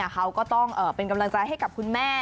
เขาก็ต้องเป็นกำลังใจให้กับคุณแม่